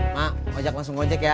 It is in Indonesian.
mak ngajak langsung ngajak ya